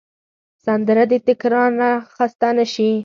سندره د تکرار نه خسته نه شي